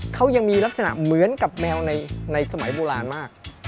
เขายังมีลักษณะเหมือนกับแมวในสมัยโบราณมาก